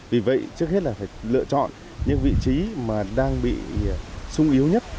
vì vậy trước hết là phải lựa chọn những vị trí mà đang bị sung yếu nhất